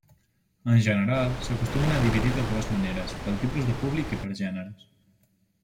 En general, s'acostumen a dividir de dues maneres: pel tipus de públic i per gèneres.